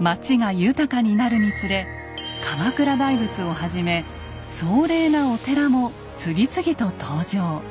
町が豊かになるにつれ鎌倉大仏をはじめ壮麗なお寺も次々と登場。